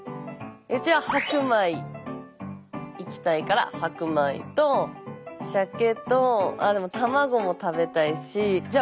うちは白米いきたいから白米とさけとでも卵も食べたいしじゃあ